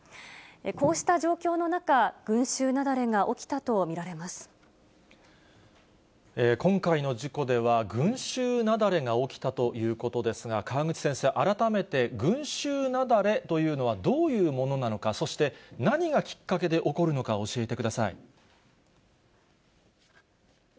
こうした状況の中、今回の事故では、群衆雪崩が起きたということですが、川口先生、改めて群衆雪崩というのはどういうものなのか、そして、何がきっかけで起こるのか教えてください。